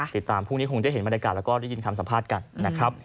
พรุ่งนี้คงได้เห็นบรรยากาศแล้วก็ได้ยินคำสัมภาษณ์กันนะครับ